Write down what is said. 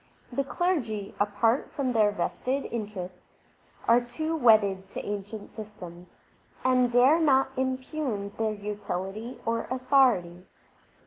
The clergy, apart from their vested interests, are too wedded to ancient systems, and dare not impugn their utility or authority.